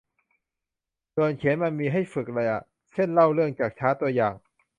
ส่วนเขียนมันมีให้ฝึกเลยอ่ะ เช่น เล่าเรื่องจากชาร์ต ตัวอย่าง